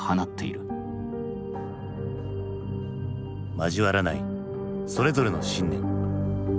交わらないそれぞれの信念。